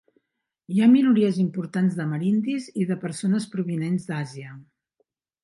Hi ha minories importants d'amerindis i de persones provinents d'Àsia.